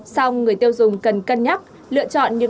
sau người tiêu dùng cần cân nhắc lựa chọn những khách hàng